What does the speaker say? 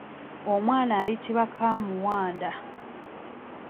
Omwana ayitibwa kaamuwanda.